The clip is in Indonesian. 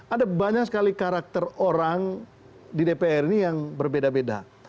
ada banyak sekali karakter orang di dpr ini yang berbeda beda